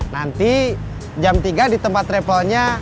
nanti jam tiga di tempat travelnya